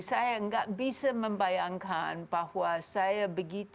saya tidak bisa membayangkan bahwa saya begitu muda